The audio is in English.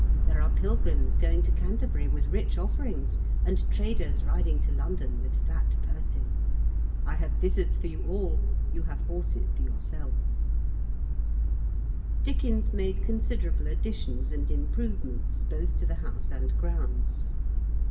There are pilgrims going to Canterbury toith rich offerings, and traders riding to London with fat purses : I have vizards for you all ; you have horses for yourselves^' Dickens made considerable additions and improvements, both to the house and grounds.